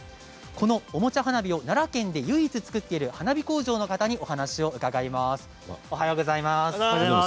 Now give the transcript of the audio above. この、おもちゃ花火を奈良県で唯一作っている花火工場の方にお話を伺います。